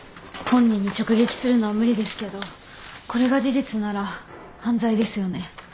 本人に直撃するのは無理ですけどこれが事実なら犯罪ですよね。